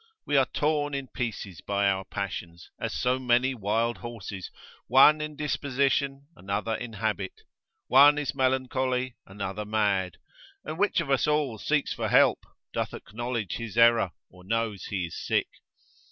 We are torn in pieces by our passions, as so many wild horses, one in disposition, another in habit; one is melancholy, another mad; and which of us all seeks for help, doth acknowledge his error, or knows he is sick?